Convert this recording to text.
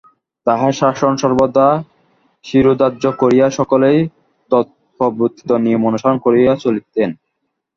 তাঁহার শাসন সর্বদা শিরোধার্য করিয়া সকলেই তৎপ্রবর্তিত নিয়ম অনুসরণ করিয়া চলিতেন।